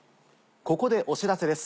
ここでお知らせです。